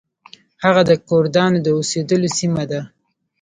هغه د کردانو د اوسیدلو سیمه ده.